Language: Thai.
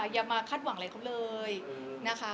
อย่ามาคาดหวังอะไรกับเค้าเลย